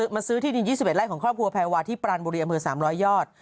มาซื้อที่ดิน๒๑ไร่ของครอบครัวแพรวาที่ปรานบุรีอำเภอ๓๐๐ยอด